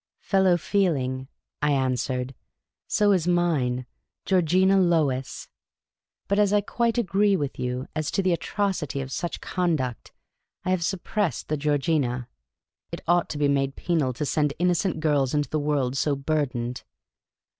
"Fellow feeling," I answered. " So is mine, Georgina Lois. But as I quite agree with you as to the atrocity of such conduct, I have suppressed the Georgina. It ought to '■•■*, The Cantankerous Old Lady 15 be made penal to send innocent girls into the world so burdened."